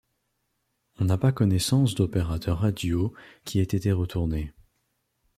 On n'a pas connaissance d'opérateur radio qui ait été retourné.